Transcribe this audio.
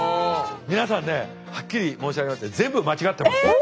皆さんねはっきり申し上げまして全部間違ってます。